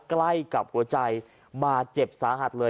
ใกล้กับหัวใจกับเจ็บสาหัด